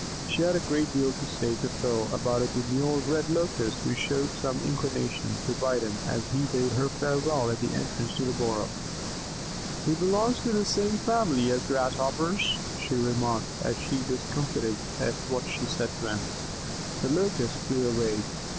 She had a great deal to say to Phil about a demure Red Locust who showed some inclination, to bite him as he bade her farewell at the entrance to the burrow. "He belongs to the same family as the Grasshoppers," she remarked, as, much discomfited at what she said to him, the Locust flew away.